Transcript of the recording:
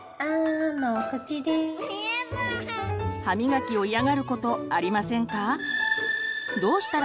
歯みがきを嫌がることありませんか？